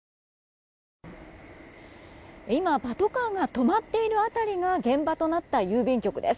今、パトカーが止まっている辺りが現場となった郵便局です。